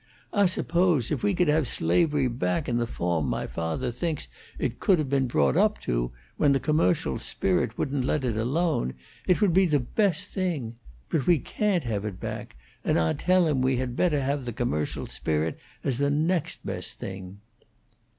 Ah suppose, if we could have slavery back in the fawm mah fathaw thinks it could have been brought up to, when the commercial spirit wouldn't let it alone, it would be the best thing; but we can't have it back, and Ah tell him we had better have the commercial spirit as the next best thing."